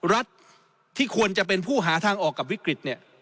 รัฐที่ควรจะเป็นผู้หาทางออกกับวิกฤตเนี่ย